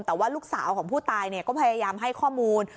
แต่ว่าลูกสาวของผู้ตายก็พยายามให้ข้อมูล